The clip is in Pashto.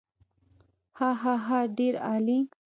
هاهاها ډېر عالي.